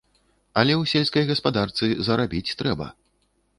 Але ў сельскай гаспадарцы зарабіць трэба.